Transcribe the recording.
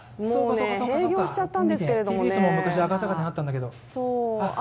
そうなんだＴＢＳも昔、赤坂店があったんだけど。